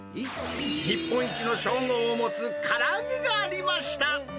日本一の称号を持つから揚げがありました。